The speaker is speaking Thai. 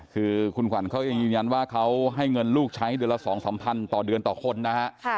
คือคุณขวัญเขาเองยืนยันว่าเขาให้เงินลูกใช้เดือนละ๒๓พันต่อเดือนต่อคนนะฮะ